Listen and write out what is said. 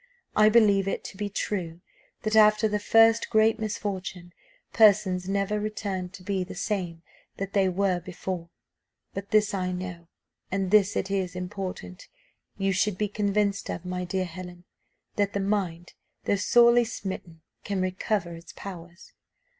I believe it to be true that, after the first great misfortune, persons never return to be the same that they were before, but this I know and this it is important you should be convinced of, my dear Helen that the mind, though sorely smitten, can recover its powers.